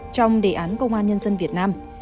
trong đề án công an nhân dân việt nam